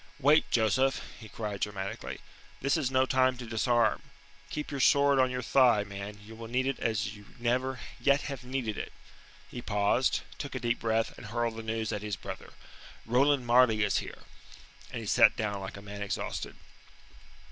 "Wait, Joseph!" he cried dramatically. "This is no time to disarm. Keep your sword on your thigh, man; you will need it as you never yet have needed it." He paused, took a deep breath, and hurled the news at his brother. "Roland Marleigh is here." And he sat down like a man exhausted.